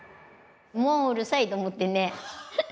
もううるさいと思ってね。